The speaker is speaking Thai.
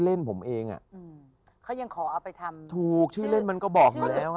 เล่นผมเองอ่ะอืมเขายังขอเอาไปทำถูกชื่อเล่นมันก็บอกอยู่แล้วอ่ะ